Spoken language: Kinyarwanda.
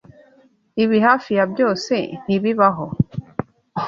Ibi hafi ya byose ntibibaho.